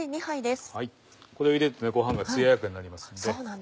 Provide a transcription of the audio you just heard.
これを入れるとごはんが艶やかになりますので。